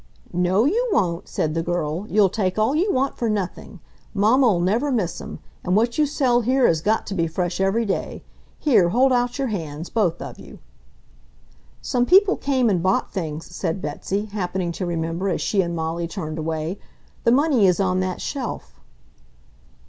"No, you won't," said the girl. "You'll take all you want for nothing ... Momma'll never miss 'em. And what you sell here has got to be fresh every day. Here, hold out your hands, both of you." "Some people came and bought things," said Betsy, happening to remember as she and Molly turned away. "The money is on that shelf."